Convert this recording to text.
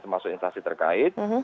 termasuk instasi terkait